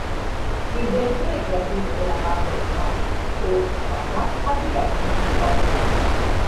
Il direttore creativo della Marvel Comics Joe Quesada ha diretto un episodio.